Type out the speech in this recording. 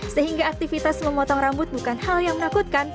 sehingga aktivitas memotong rambut bukan hal yang menakutkan